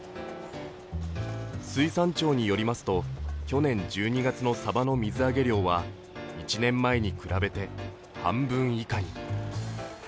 水産庁によりますと、去年１２月のサバの水揚げ量は１年前に比べて半分以下に。